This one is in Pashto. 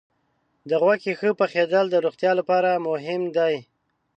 د غوښې ښه پخېدل د روغتیا لپاره مهم دي.